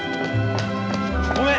ごめん！